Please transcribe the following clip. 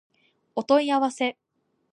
お問い合わせ